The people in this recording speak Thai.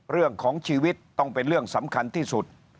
เรื่องของชีวิตต้องเป็นเรื่องสำคัญที่สุด